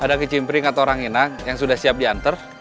ada kecimpring atau orang enak yang sudah siap diantar